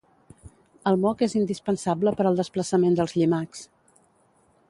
El moc és indispensable per al desplaçament dels llimacs.